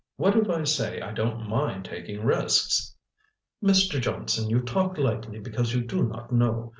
"What if I say I don't mind taking risks?" "Mr. Johnson, you talk lightly because you do not know.